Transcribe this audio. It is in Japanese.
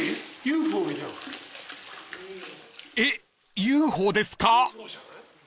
［えっＵＦＯですか？］